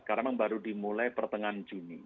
karena memang baru dimulai pertengahan juni